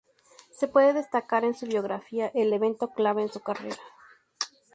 Se puede destacar en su biografía, el evento clave en su carrera.